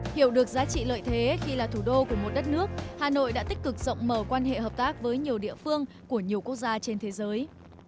hiểu được giá trị lợi thế khi là thủ đô của một đất nước hà nội đã tích cực rộng mở quan hệ hợp tác với nhiều địa phương của nhiều quốc gia trên thế giới